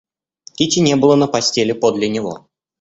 Кити не было на постели подле него.